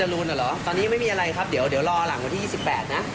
ลองฝากเป็นสอบส่วนกลางนะครับ